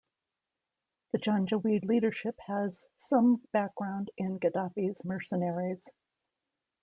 The Janjaweed leadership has some background in Gaddafi's mercenaries.